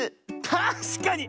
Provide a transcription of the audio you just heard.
たしかに！